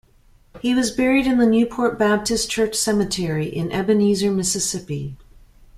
He was buried in the Newport Baptist Church Cemetery, in Ebenezer, Mississippi.